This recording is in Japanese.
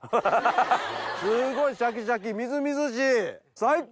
すごいシャキシャキみずみずしい最高です。